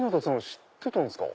知ってたんすか？